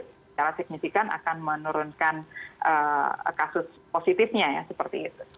secara signifikan akan menurunkan kasus positifnya ya seperti itu